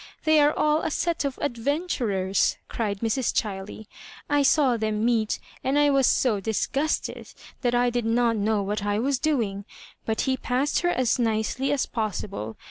They are all a set of adventurers I" cried Mrs. Chiley. " I saw them meet, and I was so disgusted that I did not know what I was doing ; but he passed her as nicely as possible.